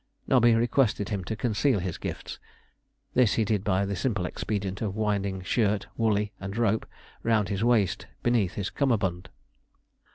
Nobby requested him to conceal his gifts. This he did by the simple expedient of winding shirt, "woolley," and rope round his waist beneath his cummerbund.